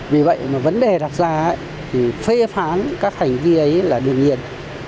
vì vậy mà vấn đề đặc gia thì phê phán các hành vi ấy là đương nhiên